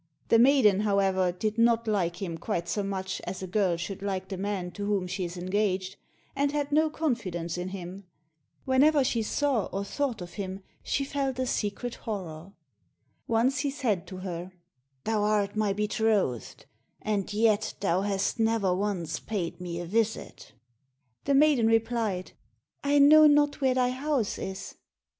The maiden, however, did not like him quite so much as a girl should like the man to whom she is engaged, and had no confidence in him. Whenever she saw, or thought of him, she felt a secret horror. Once he said to her, "Thou art my betrothed, and yet thou hast never once paid me a visit." The maiden replied, "I know not where thy house is."